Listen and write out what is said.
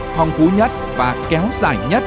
phong phú nhất và kéo dài nhất